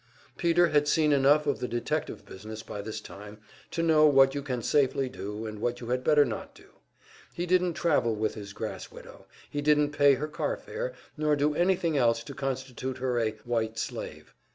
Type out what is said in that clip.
Peter had seen enough of the detective business by this time to know what you can safely do, and what you had better not do. He didn't travel with his grass widow, he didn't pay her car fare, nor do anything else to constitute her a "white slave."